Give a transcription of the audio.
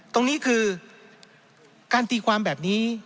ตรงนี้คือการตีความแบบนี้